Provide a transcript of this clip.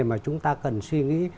mà chúng ta cần suy nghĩ